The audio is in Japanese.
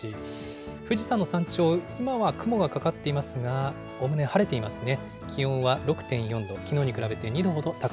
富士山の山頂、今は雲がかかっていますが、おおむね晴れていますね。